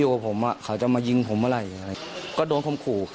อยู่กับผมว่าเขาจะมายิงผมอะไรอะไรก็โดนสมคุก